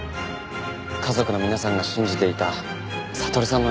家族の皆さんが信じていた悟さんの絵の才能。